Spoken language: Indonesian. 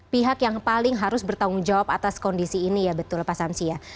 pihak yang paling harus bertanggung jawab atas kondisi ini ya betul pak samsi ya